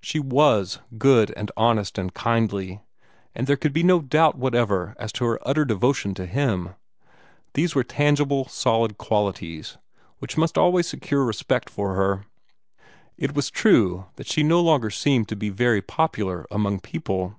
She was good and honest and kindly, and there could be no doubt whatever as to her utter devotion to him. These were tangible, solid qualities, which must always secure respect for her. It was true that she no longer seemed to be very popular among people.